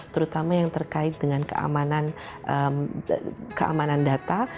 terutama yang terkait dengan keamanan data